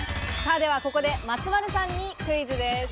では、ここで松丸さんにクイズです。